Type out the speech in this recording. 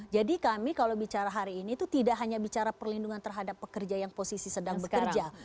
jadi kami kalau bicara hari ini itu tidak hanya bicara perlindungan terhadap pekerja yang posisi sedang bekerja